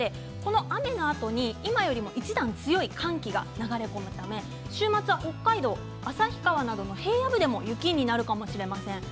雨のあとに今よりも一段強い寒気が流れ込むため週末は旭川など平野部でも雪になるかもしれません。